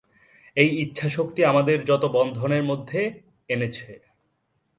এই ইচ্ছাশক্তি আমাদের যত বন্ধনের মধ্যে এনেছে।